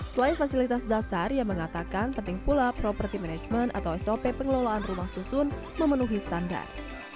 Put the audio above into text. selain fasilitas dasar yang mengatakan penting pula property management atau sop pengelolaan rumah susun memenuhi standar